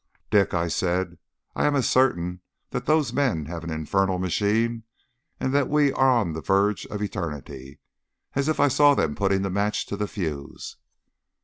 "Dick," I said, "I am as certain that those men have an infernal machine, and that we are on the verge of eternity, as if I saw them putting the match to the fuse."